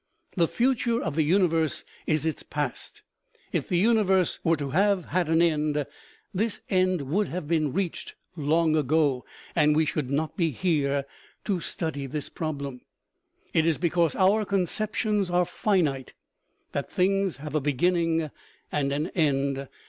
The future of the universe is its past. If the universe were to have had an end, this end would have been reached long ago, and we should not be here to study this problem. It is because our conceptions are finite, that things have a beginning and an end.